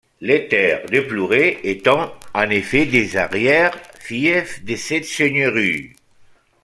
Les terres de Plouray étaient en effet des arrière-fiefs de cette seigneurie.